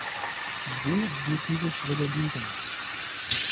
Wo wird diese Schwelle liegen?